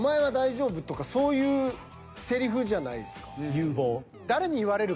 「有望」。